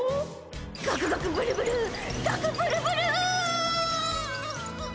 ガクガクブルブルガクブルブルーッ！